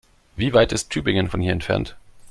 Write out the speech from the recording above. Wie weit ist Tübingen von hier entfernt?